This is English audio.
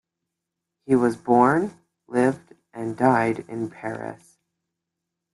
He was born, lived and died in Paris.